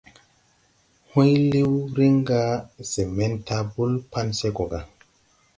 Hùy liw riŋ ga se men taabul pan se go gà.